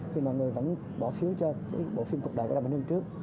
khi mà người vẫn bỏ phiếu cho cái bộ phim cuộc đời của đàm vĩnh hưng trước